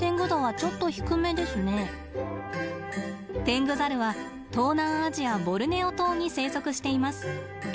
テングザルは東南アジアボルネオ島に生息しています。